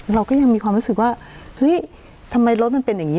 เราก็ยังมีความรู้สึกว่าเฮ้ยทำไมรถมันเป็นอย่างนี้